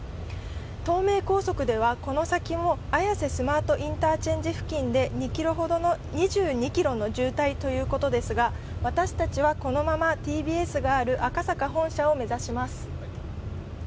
東名高速ではこの先も綾瀬スマートインターチェンジ付近で２２ｋｍの渋滞ということですが私たちはこのままＴＢＳがある赤坂本社を目指します。